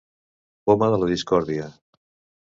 Poma de la discòrdia.